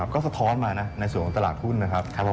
ก็สะท้อนมานะในส่วนของตลาดหุ้นนะครับ